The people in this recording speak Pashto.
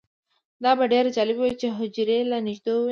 دا به ډیره جالبه وي چې حجرې له نږدې ووینو